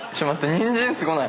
ニンジンすごない？